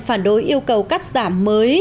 phản đối yêu cầu cắt giảm mới